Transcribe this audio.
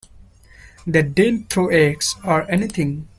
They didn't throw eggs, or anything?